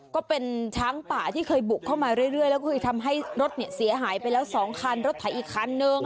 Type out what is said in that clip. ก็เป็นช้างป่าที่เคยบุกเข้ามาเรื่อยแล้วก็ทำให้รถเสียหายไปแล้ว๒คันรถไถอีกคันนึง